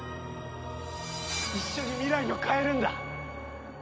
一緒に未来を変えるんだ。